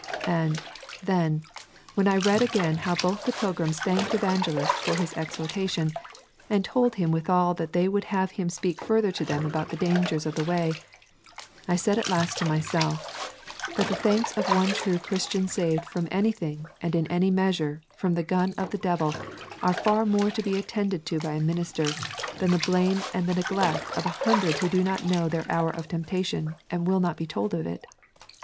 And, then, when I read again how both the pilgrims thanked Evangelist for his exhortation, and told him withal that they would have him speak further to them about the dangers of the way, I said at last to myself, that the thanks of one true Christian saved in anything and in any measure from the gun of the devil are far more to be attended to by a minister than the blame and the neglect of a hundred who do not know their hour of temptation and will not be told it.